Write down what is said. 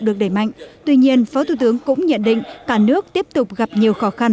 được đẩy mạnh tuy nhiên phó thủ tướng cũng nhận định cả nước tiếp tục gặp nhiều khó khăn